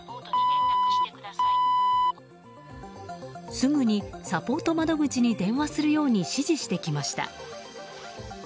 すぐにサポート窓口に電話するように指示してきました。